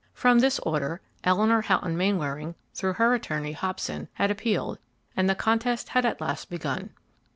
From this order, Eleanor Houghton Mainwaring, through her attorney, Hobson, had appealed, and the contest had at last begun.